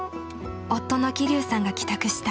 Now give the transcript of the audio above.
夫の希龍さんが帰宅した。